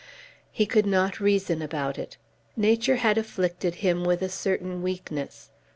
He could not reason about it. Nature had afflicted him with a certain weakness.